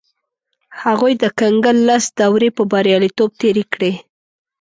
هغوی د کنګل لس دورې په بریالیتوب تېرې کړې.